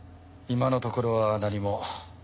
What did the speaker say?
今のところは何も。